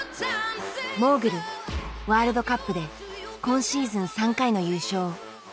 モーグルワールドカップで今シーズン３回の優勝。